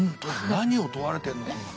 何を問われてるのかが。